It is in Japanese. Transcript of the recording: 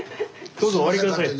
どうぞお入り下さい。